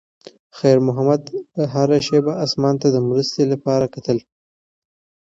خیر محمد به هره شېبه اسمان ته د مرستې لپاره کتل.